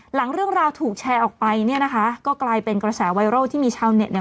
หลังเรื่องราวถูกแชร์ออกไปเนี่ยนะคะก็กลายเป็นกระแสไวรัลที่มีชาวเน็ตเนี่ย